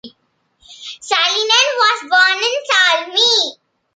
Sallinen was born in Salmi.